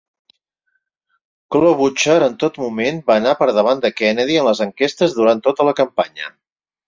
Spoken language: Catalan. Klobuchar en tot moment va anar per davant de Kennedy en les enquestes durant tota la campanya.